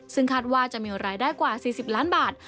ซึ่งคาดว่าจะมีรายได้กว่า๔๐ล้านบาท